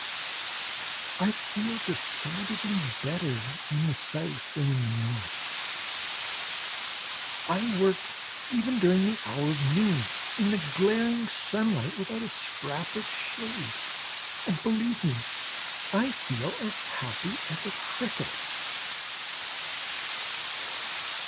I feel decidedly better in the South than in the North. I work even during the hour of noon, in the glaring sunlight, without a scrap of shade; and, believe me, I feel as happy as a cricket.